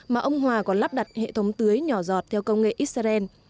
mà ông hòa còn lắp đặt hệ thống tưới nhỏ giọt theo công nghệ israel